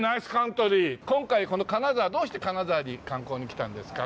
今回この金沢どうして金沢に観光に来たんですか？